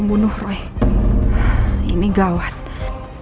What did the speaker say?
nggak ada di jakarta